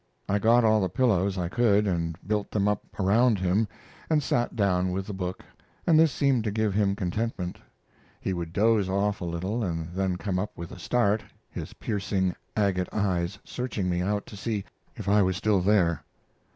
I got all the pillows I could and built them up around him, and sat down with the book, and this seemed to give him contentment. He would doze off a little and then come up with a start, his piercing, agate eyes searching me out to see if I was still there.